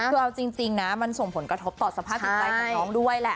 คือเอาจริงนะมันส่งผลกระทบต่อสภาพจิตใจของน้องด้วยแหละ